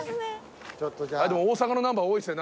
でも大阪のナンバー多いですね